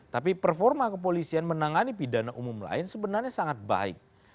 tapi performa kepolisian menangani pidana umum lain sebenarnya sangat baik